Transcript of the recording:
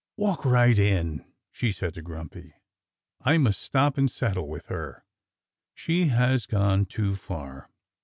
"Walk right in!" she said to Grumpy. "I must stop and settle with her. She has gone too far."